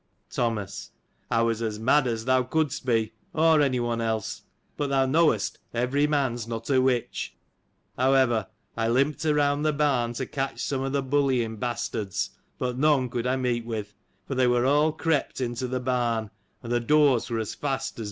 Thomas. — I was as mad as thou couldst be ; or any one else ; but, thou knowest every man 's not a witch. However, I limp ed around the barn to catch some of the bullying bastards : but none could I meet with ; for they were all crept into the barn, and the doors were as fast as Beeston Castle.